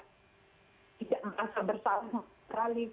tidak merasa bersalah sekali